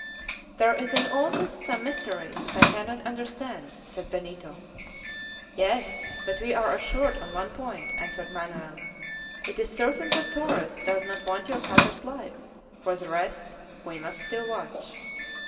"There is in all this some mystery that I cannot understand," said Benito. "Yes, but we are assured on one point," answered Manoel. "It is certain that Torres does not want your father's life. For the rest, we must still watch!"